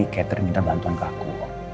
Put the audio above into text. cater minta bantuan ke aku